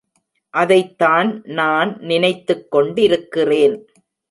அதைத்தான் நான் நினைத்துக்கொண்டிருக்கிறேன்.